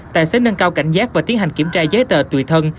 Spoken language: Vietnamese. tài xế nâng cao cảnh giác và tiến hành kiểm tra giấy tờ tùy thân